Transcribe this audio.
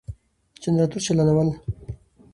جنراتور چالانول ،